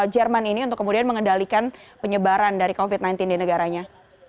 jerman ini untuk kemudian mengendalikan penyebaran dari covid sembilan belas di negaranya